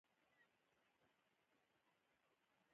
تعلیم نجونو ته د سپما کولو ګټې ور زده کوي.